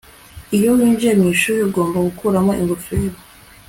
iyo winjiye mwishuri, ugomba gukuramo ingofero